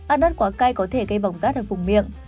ăn ớt quá cay có thể gây bỏng rát ở vùng miệng